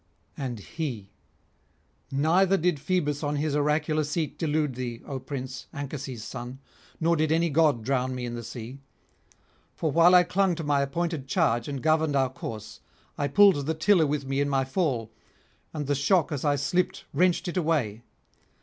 And he: 'Neither did Phoebus on his oracular seat delude thee, O prince, Anchises' son, nor did any god drown me in the sea. For while I clung to my appointed charge and governed our course, I pulled the tiller with me in my fall, and the shock as I slipped wrenched it away.